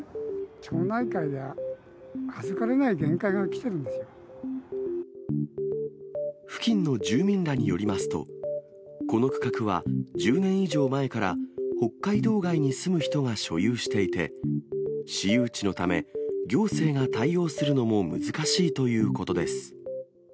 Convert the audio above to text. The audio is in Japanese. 町内会で預かれない限界が来てる付近の住民らによりますと、この区画は１０年以上前から北海道外に住む人が所有していて、私有地のため、行政が対応するのも難しいということです。